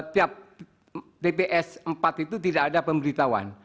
tiap dps empat itu tidak ada pemberitahuan